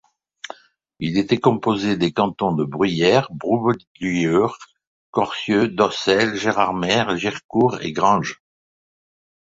Il était composé des cantons de Bruyères, Brouvelieures, Corcieux, Docelles, Gérardmer, Girecourt et Granges.